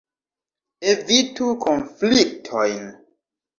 Evitu konfliktojn!